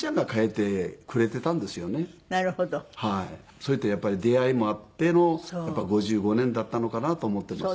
そうやってやっぱり出会いもあってのやっぱり５５年だったのかなと思っています。